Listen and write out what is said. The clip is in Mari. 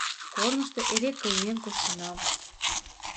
Корнышто эре кылмен коштынам.